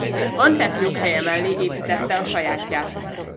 Antef nyughelye mellé építette a sajátját.